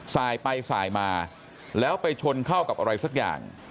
สายไปสายมาแล้วไปชนเข้ากับอะไรสักอย่าง